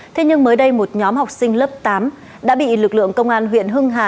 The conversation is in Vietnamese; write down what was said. thế nhưng mới đây một nhóm học sinh lớp tám đã bị lực lượng công an huyện hưng hà